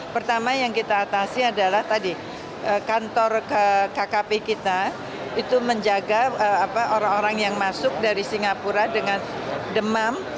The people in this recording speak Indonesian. pertama yang kita atasi adalah tadi kantor kkp kita itu menjaga orang orang yang masuk dari singapura dengan demam